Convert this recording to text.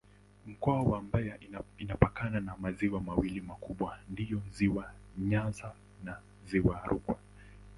Mkoa wa Mbeya inapakana na maziwa mawili makubwa ndiyo Ziwa Nyasa na Ziwa Rukwa.